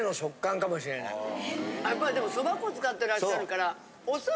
やっぱりでもそば粉使ってらっしゃるから。